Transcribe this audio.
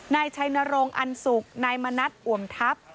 นายชัยนรงค์อันสุกนายมณัฐอวมทัพ